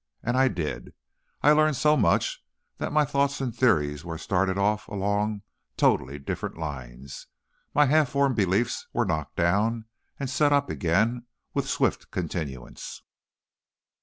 And I did. I learned so much that my thoughts and theories were started off along totally different lines; my half formed beliefs were knocked down and set up again, with swift continuance.